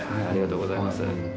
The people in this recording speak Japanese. ありがとうございます。